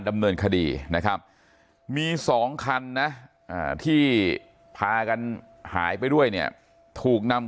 ดำเนินคดีนะครับมี๒คันนะที่พากันหายไปด้วยเนี่ยถูกนำ